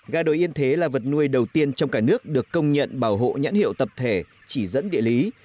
gà đối yên thế là vật nuôi đầu tiên trong cả nước được công nhận bảo hộ nhãn hiệu tập thể chỉ dẫn địa lý